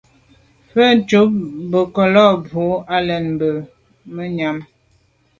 Mvə̌ cúp mbə̄ ká bù brók á lá mbrə̀ bú bə̂ nyə̀m.